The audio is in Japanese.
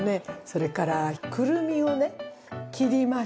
それからクルミをね切りましたとか。